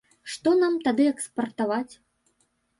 Што нам тады экспартаваць?!